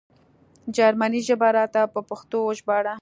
جرمنۍ ژبه راته په پښتو وژباړه